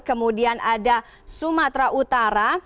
kemudian ada sumatera utara